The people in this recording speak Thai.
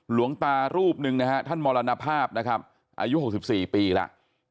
หลวงตารูปหนึ่งท่านมรณภาพอายุ๖๔ปีละ